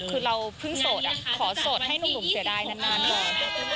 คือเราเพิ่งโสดขอโสดให้หนุ่มเสียดายนานก่อน